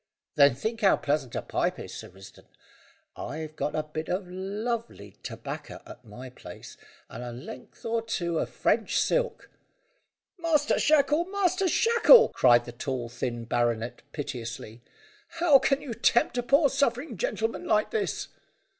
Then think how pleasant a pipe is, Sir Risdon; I've got a bit o' lovely tobacco at my place, and a length or two of French silk." "Master Shackle! Master Shackle!" cried the tall thin baronet piteously, "how can you tempt a poor suffering gentleman like this?"